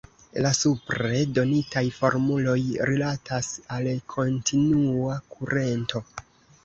La supre donitaj formuloj rilatas al kontinua kurento.